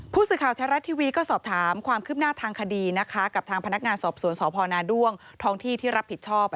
ผู้สื่อข่าวแท้รัฐทีวีก็สอบถามความคืบหน้าทางคดีนะคะกับทางพนักงานสอบสวนสพนาด้วงท้องที่ที่รับผิดชอบ